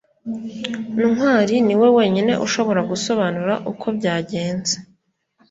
ntwali niwe wenyine ushobora gusobanura uko byagenze